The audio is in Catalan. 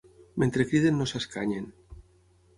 Mentre criden no s'escanyen.